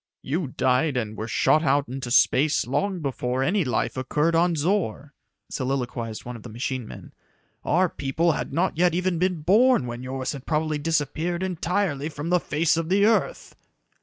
"You died and were shot out into space long before any life occurred on Zor," soliloquized one of the machine men. "Our people had not yet even been born when yours had probably disappeared entirely from the face of the earth."